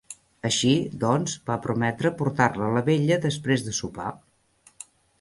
Així, doncs, va prometre portar-la a la vetlla després de sopar.